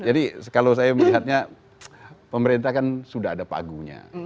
jadi kalau saya melihatnya pemerintah kan sudah ada pagunya